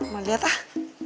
mau liat ah